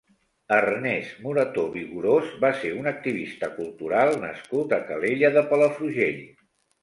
Ernest Morató Vigorós va ser un activista cultural nascut a Calella de Palafrugell.